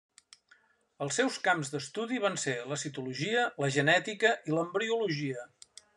Els seus camps d'estudi van ser la citologia, la genètica i l'embriologia.